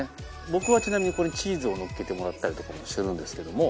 僕はちなみにこれにチーズをのっけてもらったりとかもしてるんですけども。